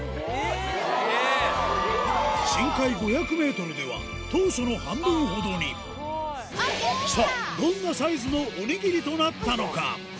深海５００ｍでは当初の半分ほどにさぁどんなサイズのおにぎりとなったのか？